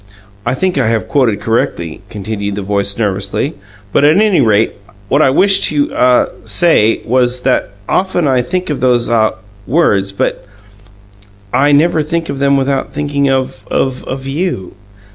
"I think I have quoted correctly," continued the voice nervously, "but, at any rate, what I wished to ah say was that I often think of those ah words; but I never think of them without thinking of of of YOU.